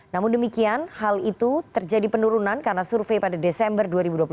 namun demikian hal itu terjadi penurunan karena survei pada desember dua ribu dua puluh tiga